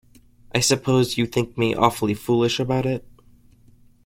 I suppose you think me awfully foolish about it?